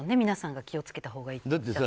皆さん気を付けたほうがいいって。